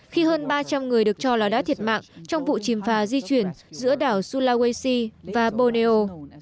khi hơn ba trăm linh người được cho là đã thiệt mạng trong vụ chìm phà di chuyển giữa đảo sulawesi và boneo